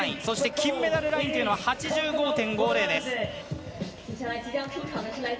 そして金メダルラインは８５．５０です。